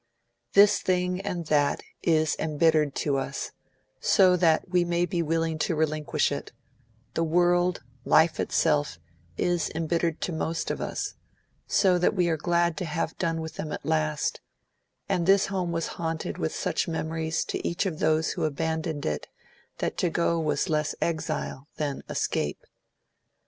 This thing and that is embittered to us, so that we may be willing to relinquish it; the world, life itself, is embittered to most of us, so that we are glad to have done with them at last; and this home was haunted with such memories to each of those who abandoned it that to go was less exile than escape.